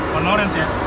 warna orange ya